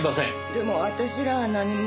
でも私らは何も。